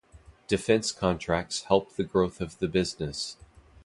Defence contracts help the growth of the business.